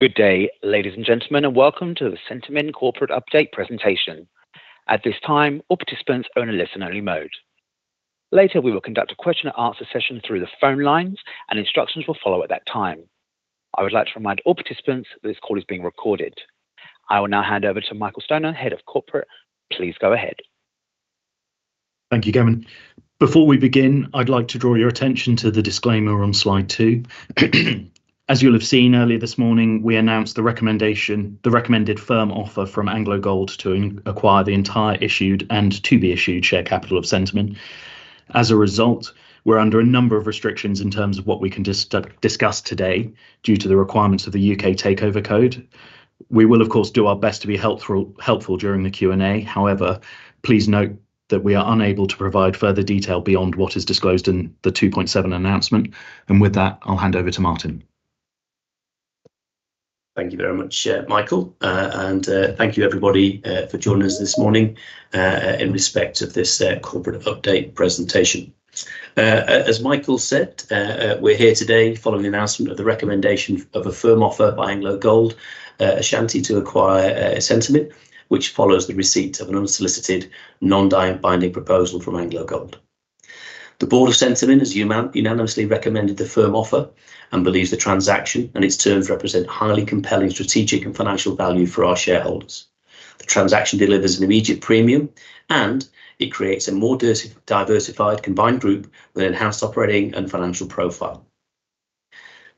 Good day, ladies and gentlemen, and welcome to the Centamin Corporate Update presentation. At this time, all participants are in a listen-only mode. Later, we will conduct a question and answer session through the phone lines, and instructions will follow at that time. I would like to remind all participants that this call is being recorded. I will now hand over to Michael Stoner, Head of Corporate. Please go ahead. Thank you, Kevin. Before we begin, I'd like to draw your attention to the disclaimer on slide two. As you'll have seen, earlier this morning, we announced the recommended firm offer from AngloGold to acquire the entire issued and to be issued share capital of Centamin. As a result, we're under a number of restrictions in terms of what we can discuss today, due to the requirements of the UK Takeover Code. We will, of course, do our best to be helpful during the Q&A. However, please note that we are unable to provide further detail beyond what is disclosed in the 2.7 announcement. With that, I'll hand over to Martin. Thank you very much, Michael, and thank you everybody for joining us this morning in respect of this corporate update presentation. As Michael said, we're here today following the announcement of the recommendation of a firm offer by AngloGold Ashanti to acquire Centamin, which follows the receipt of an unsolicited, non-binding proposal from AngloGold. The board of Centamin has unanimously recommended the firm offer and believes the transaction and its terms represent highly compelling strategic and financial value for our shareholders. The transaction delivers an immediate premium, and it creates a more diversified combined group with enhanced operating and financial profile.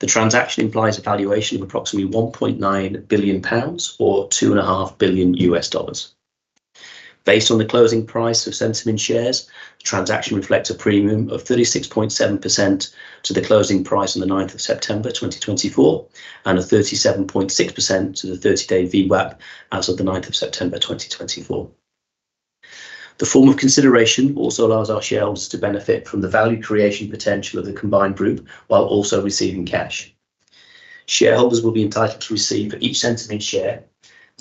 The transaction implies a valuation of approximately 1.9 billion pounds, or $2.5 billion. Based on the closing price of Centamin shares, the transaction reflects a premium of 36.7% to the closing price on the 9th of September 2024, and 37.6% to the 30-day VWAP as of the 9th of September 2024. The form of consideration also allows our shareholders to benefit from the value creation potential of the combined group, while also receiving cash. Shareholders will be entitled to receive, for each Centamin share,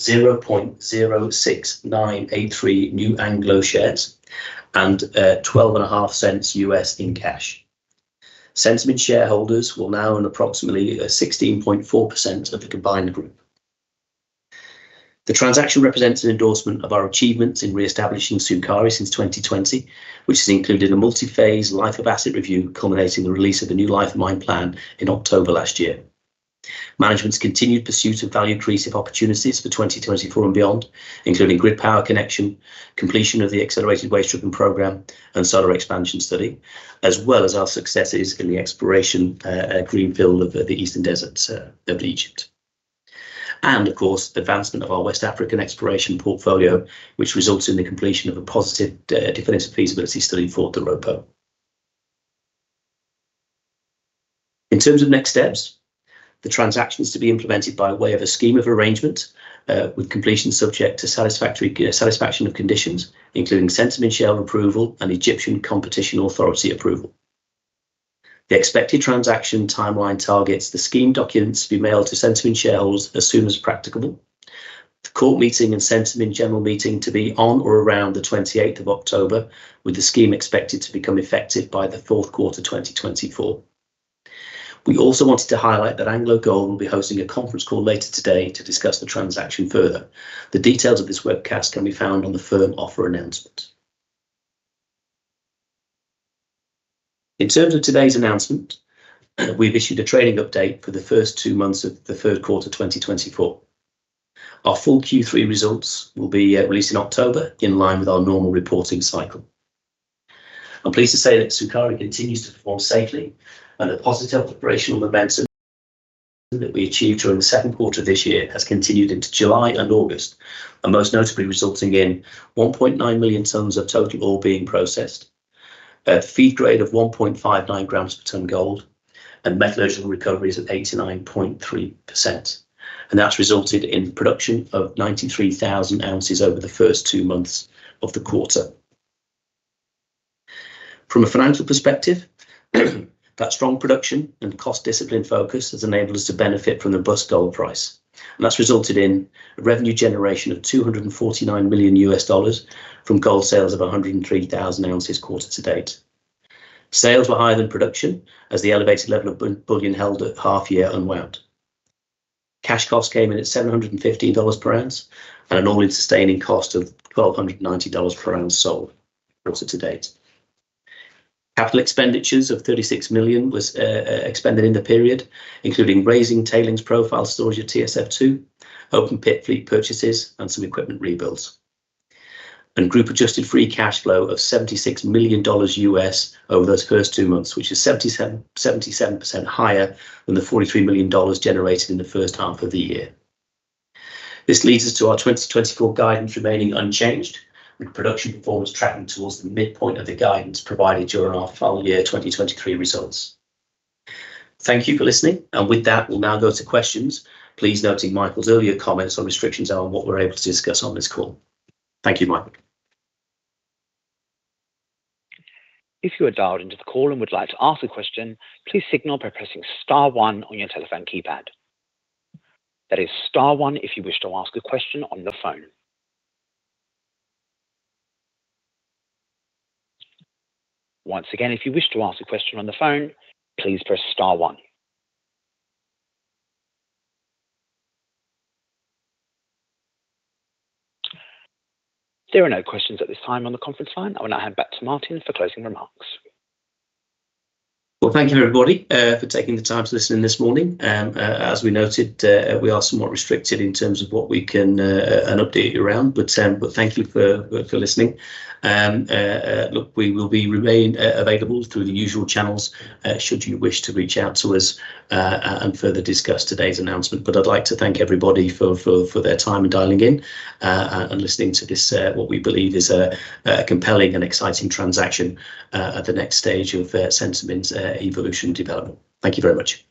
0.06983 new Anglo shares and $0.125 in cash. Centamin shareholders will now own approximately 16.6% of the combined group. The transaction represents an endorsement of our achievements in reestablishing Sukari since 2020, which has included a multi-phase life of asset review, culminating in the release of the new life of mine plan in October last year. Management's continued pursuit of value accretive opportunities for 2024 and beyond, including grid power connection, completion of the accelerated waste stripping program, and solar expansion study, as well as our successes in the exploration, greenfield of the Eastern Desert of Egypt. Of course, the advancement of our West African exploration portfolio, which results in the completion of a positive definitive feasibility study for the Doropo. In terms of next steps, the transaction is to be implemented by way of a scheme of arrangement, with completion subject to satisfactory satisfaction of conditions, including Centamin shareholder approval and Egyptian Competition Authority approval. The expected transaction timeline targets the scheme documents to be mailed to Centamin shareholders as soon as practicable. The court meeting and Centamin general meeting to be on or around the 28th of October, with the scheme expected to become effective by the fourth quarter 2024. We also wanted to highlight that AngloGold will be hosting a conference call later today to discuss the transaction further. The details of this webcast can be found on the firm offer announcement. In terms of today's announcement, we've issued a trading update for the first two months of the third quarter 2024. Our full Q3 results will be released in October, in line with our normal reporting cycle. I'm pleased to say that Sukari continues to perform safely, and the positive operational momentum that we achieved during the second quarter of this year has continued into July and August, and most notably resulting in 1.9 million tons of total ore being processed. Feed grade of 1.59 g/ton gold, and metallurgical recoveries of 89.3%, and that's resulted in production of 93,000 oz over the first two months of the quarter. From a financial perspective, that strong production and cost discipline focus has enabled us to benefit from the robust gold price, and that's resulted in revenue generation of $249 million from gold sales of 103,000 oz quarter-to-date. Sales were higher than production, as the elevated level of bullion held at half year unwound. Cash costs came in at $715 per oz, and an all-in sustaining cost of $1,290 per oz sold quarter-to-date Capital expenditures of $36 million was expended in the period, including raising tailings profile storage at TSF2, open pit fleet purchases, and some equipment rebuilds and group adjusted free cash flow of $76 million over those first two months, which is 77% higher than the $43 million generated in the first half of the year. This leads us to our 2024 guidance remaining unchanged, with production performance tracking towards the midpoint of the guidance provided during our full year 2023 results. Thank you for listening, and with that, we'll now go to questions. Please noting Michael's earlier comments on restrictions on what we're able to discuss on this call. Thank you, Michael. If you are dialed into the call and would like to ask a question, please signal by pressing star one on your telephone keypad. That is star one if you wish to ask a question on the phone. Once again, if you wish to ask a question on the phone, please press star one. There are no questions at this time on the conference line. I will now hand back to Martin for closing remarks. Well, thank you, everybody, for taking the time to listen in this morning. As we noted, we are somewhat restricted in terms of what we can update you around. But thank you for their time in dialing in and listening to this what we believe is a compelling and exciting transaction at the next stage of Centamin's evolution development. Thank you very much.